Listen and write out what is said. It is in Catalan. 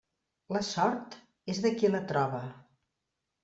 La sort és de qui la troba.